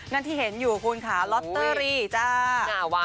นั่นที่เห็นอยู่คุณค่ะลอตเตอรี่จ้า